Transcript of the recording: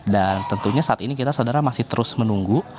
dan tentunya saat ini kita saudara masih terus menunggu